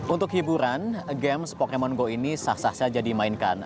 untuk hiburan games pokemon go ini sah sah saja dimainkan